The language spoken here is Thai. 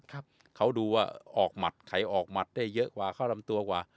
ครับเขาดูว่าออกหมัดไขออกหมัดได้เยอะแค่เข้ารำตัวค่ะ